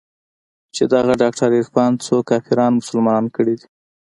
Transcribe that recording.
چې دغه ډاکتر عرفان څو کافران مسلمانان کړي دي.